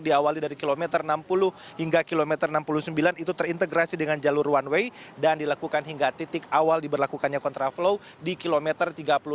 diawali dari kilometer enam puluh hingga kilometer enam puluh sembilan itu terintegrasi dengan jalur one way dan dilakukan hingga titik awal diberlakukannya kontraflow di kilometer tiga puluh delapan